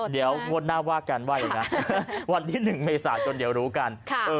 เดี๋ยวงดหน้าว่าการไหว้นะวันที่๑เมษาจนเดี๋ยวรู้กัน